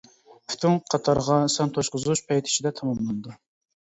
پۈتۈن قاتارغا سان توشقۇزۇش پەيت ئىچىدە تاماملىنىدۇ.